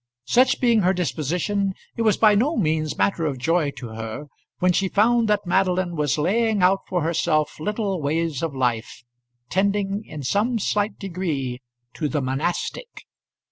Such being her disposition, it was by no means matter of joy to her when she found that Madeline was laying out for herself little ways of life, tending in some slight degree to the monastic.